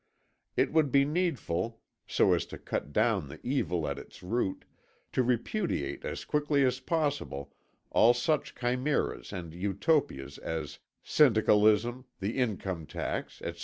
It would be needful, so as to cut down the evil at its root, to repudiate as quickly as possible all such chimeras and Utopias as syndicalism, the income tax, etc.